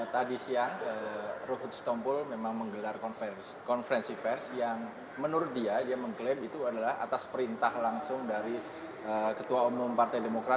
tadi siang ruhut setompul memang menggelar konferensi pers yang menurut dia dia mengklaim itu adalah atas perintah langsung dari ketua umum partai demokrat